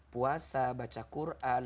puasa baca quran